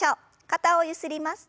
肩をゆすります。